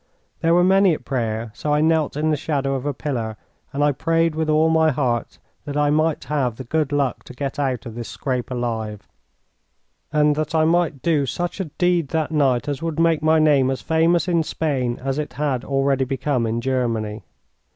There were many at prayer, so I knelt in the shadow of a pillar, and I prayed with all my heart that I might have the good luck to get out of this scrape alive, and that I might do such a deed that night as would make my name as famous in Spain as it had already become in Germany.